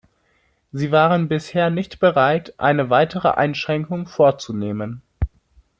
Sie waren bisher nicht bereit, eine weitere Einschränkung vorzunehmen.